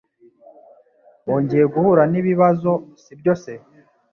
Wongeye guhura nibibazo, sibyo se?